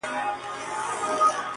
پر شب پرستو بدلګېږم ځکه,